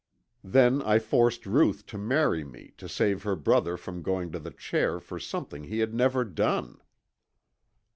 Then I forced Ruth to marry me to save her brother from going to the chair for something he had never done!"